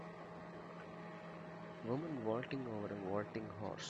Woman vaulting over a vaulting horse.